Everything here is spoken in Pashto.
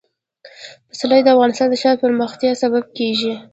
پسرلی د افغانستان د ښاري پراختیا سبب کېږي.